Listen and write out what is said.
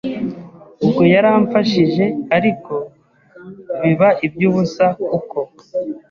ubwo yaramfashije ariko biba iby’ubusa kuko